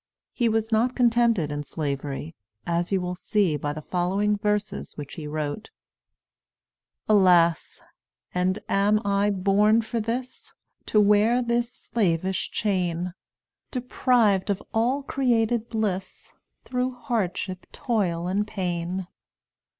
He was not contented in Slavery, as you will see by the following verses which he wrote: "Alas! and am I born for this, To wear this slavish chain? Deprived of all created bliss, Through hardship, toil, and pain?